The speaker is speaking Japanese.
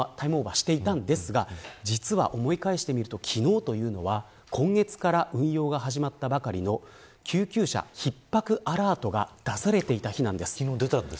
すでにこの時間はタイムオーバーしていたんですが実は思い返してみると昨日というのは今月から運用が始まったばかりの救急車ひっ迫アラートが出されていた日なんです。